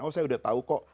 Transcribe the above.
oh saya sudah tahu kok